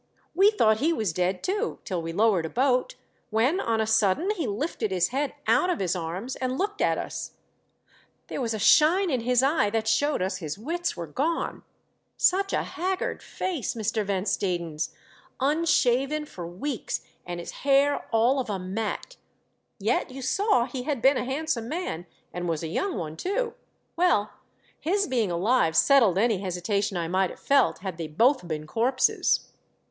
We thought he was dead, too, till we lowered a boat, when on a sudden he lifted his head out of his arms and looked at us. There was a shine in his eye that showed us his wits were gone. Such a 2 L 514 THE DEATH SHIP. haggard face, Mr. Van Stadens! — unshaven for weeks, and his hair all of a mat ; yet you saw he had been a handsome man and was a young one too. Well, his being alive settled any hesitation I might have felt had they both been corpses.